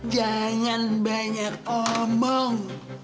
jangan banyak omong